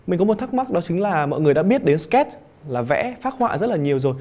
mình có một thắc mắc đó chính là mọi người đã biết đến sccat là vẽ phát họa rất là nhiều rồi